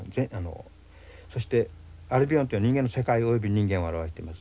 そしてアルビオンってのは人間の世界および人間を表しています。